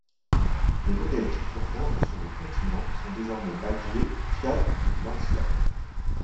Les modèles qui furent vendus sur le continent sont désormais badgés Fiat ou Lancia.